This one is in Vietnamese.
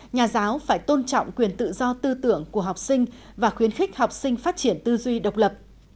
nhà giáo phải tôn trọng quyền tự do tư tưởng của học sinh và khuyến khích học sinh phát triển tư duy độc lập